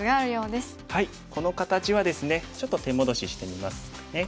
この形はですねちょっと手戻ししてみますかね。